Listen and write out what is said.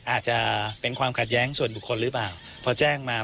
อาจจะเป็นความขัดแย้งส่วนบุคคลหรือเปล่าพอแจ้งมา